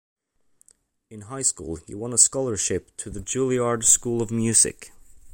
In high school, he won a scholarship to the Juilliard School of Music.